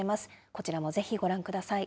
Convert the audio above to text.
こちらもぜひご覧ください。